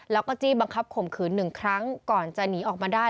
แล้วก็จี้บังคับข่มขืนหนึ่งครั้งก่อนจะหนีออกมาได้